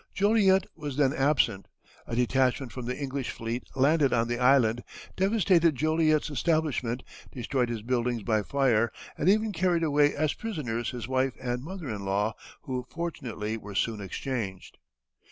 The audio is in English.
Joliet was then absent. A detachment from the English fleet landed on the island, devastated Joliet's establishment, destroyed his buildings by fire, and even carried away as prisoners his wife and mother in law, who fortunately were soon exchanged.